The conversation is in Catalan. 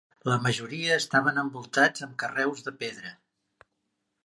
La majoria estaven envoltats amb carreus de pedra.